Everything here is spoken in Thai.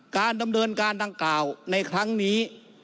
การดำเนินการดังกล่าวในครั้งนี้